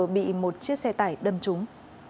bị một chiếc xe tải đâm trúng